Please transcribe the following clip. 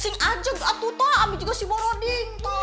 sing ajeg atuh ta ami juga si boroding ta